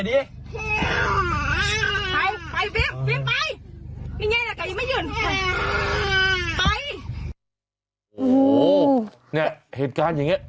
เนี่ยเหตุการณ์อย่างเงี้ย